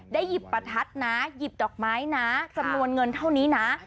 หยิบประทัดนะหยิบดอกไม้นะจำนวนเงินเท่านี้นะ